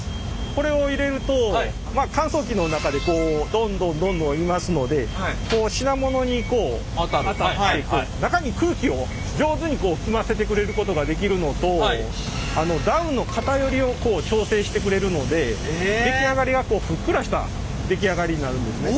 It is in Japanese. これを入れるとまあ乾燥機の中でこうどんどんどんどんいますので品物にこう当たって中に空気を上手に含ませてくれることができるのとダウンの偏りを調整してくれるので出来上がりがこうふっくらした出来上がりになるんですね。